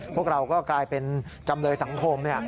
พวกเราก็กลายเป็นจำเลยสังคม